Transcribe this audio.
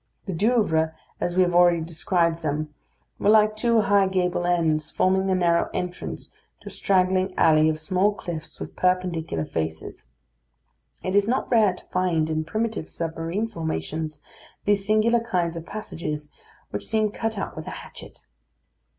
The Douvres, as we have already described them, were like two high gable ends, forming the narrow entrance to a straggling alley of small cliffs with perpendicular faces. It is not rare to find in primitive submarine formations these singular kinds of passages, which seem cut out with a hatchet.